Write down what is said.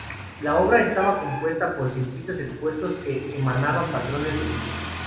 La obra estaba compuesta por circuitos expuestos que emanaban patrones de luz.